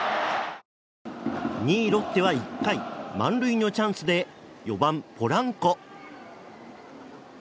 ２位、ロッテは１回満塁のチャンスで４番、ポランコ。